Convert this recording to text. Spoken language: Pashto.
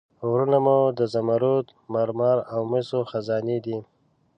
غرونه مو د زمرد، مرمر او مسو خزانې دي.